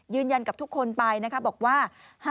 ยืนยันกับทุกคนไปนะคะบอกว่า